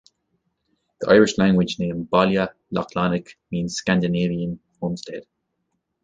The Irish language name Baile Lochlannach means "Scandinavian Homestead".